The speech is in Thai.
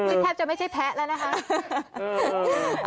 นี่แทบจะไม่ใช่แพ้แล้วนะคะ